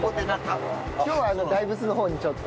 今日は大仏の方にちょっと。